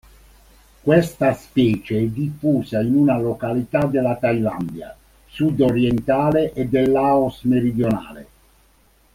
Questa specie è diffusa in una località della Thailandia sud-orientale e del Laos meridionale.